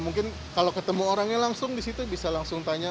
mungkin kalau ketemu orangnya langsung disitu bisa langsung tanya